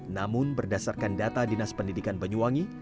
namun berdasarkan data dinas pendidikan banyuwangi